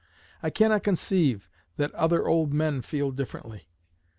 I cannot conceive that other old men feel differently.